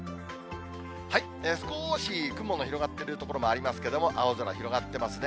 少し雲が広がってくる所もありますけれども、青空広がってますね。